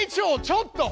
ちょっと！